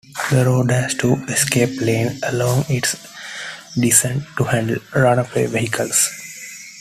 The road has two escape lanes along its descent, to handle runaway vehicles.